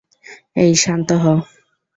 এই শান্ত হ!